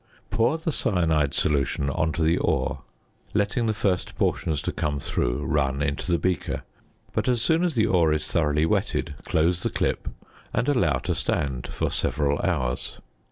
Pour the cyanide solution on to the ore, letting the first portions to come through run into the beaker, but as soon as the ore is thoroughly wetted close the clip and allow to stand for several hours.